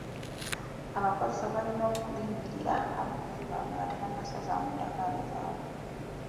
Abakozesa balina okuliyirira abakozi baabwe nga tebannasazaamu ndagaano zaabwe.